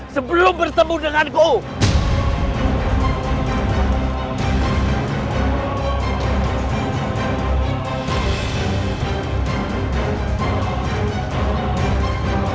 sebelum bertemu dengan kau